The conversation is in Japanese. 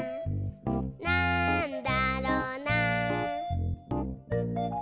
「なんだろな？」